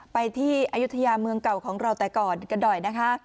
ไปที่อายุทยาเมืองเก่าของเราแต่ก่อนกันหน่อยนะคะ